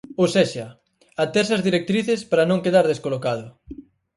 Ou sexa, aterse ás directrices para non quedar descolocado.